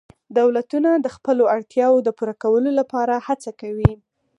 دولتونه د خپلو اړتیاوو د پوره کولو لپاره هڅه کوي